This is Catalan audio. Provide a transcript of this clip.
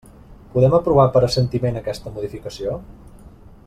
Podem aprovar per assentiment aquesta modificació?